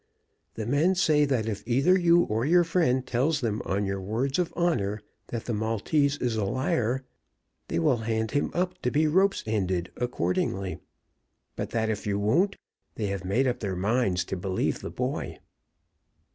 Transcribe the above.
The men say that if either you or your friend tell them on your words of honor that the Maltese is a liar, they will hand him up to be rope's ended accordingly; but that if you won't, they have made up their minds to believe the boy."